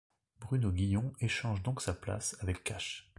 Bruno Guillon échange donc sa place avec Kash.